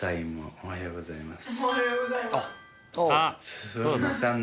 おはようございます。